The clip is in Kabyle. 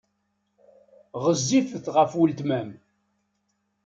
Ɣezzifet ɣef weltma-m.